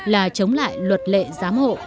là chống lại luật lệ giám hộ